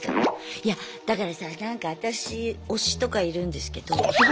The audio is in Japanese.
いやだからさなんか私推しとかいるんですけど。